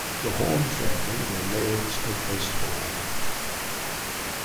The Horn family were lairds of Westhall.